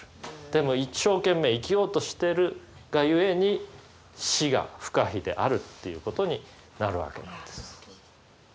でも一生懸命生きようとしてるがゆえに死が不可避であるということになるわけなんです。